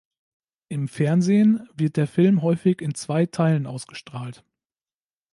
Im Fernsehen wird der Film häufig in zwei Teilen ausgestrahlt.